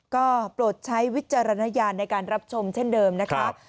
ก็โปรดใช้วิจารณญาณในการรับชมเช่นเดิมนะคะ